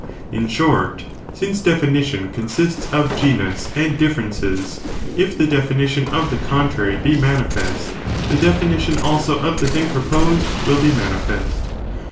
In short, since definition consists of genus and differences, if the definition of the con trary be manifest, the definition also of the thing proposed, will be manifest.